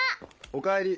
おかえり。